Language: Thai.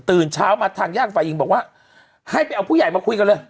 เช้ามาทางญาติฝ่ายหญิงบอกว่าให้ไปเอาผู้ใหญ่มาคุยกันเลย